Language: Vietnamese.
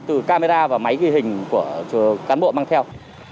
từ camera và máy ghi hình của cán bộ mang theo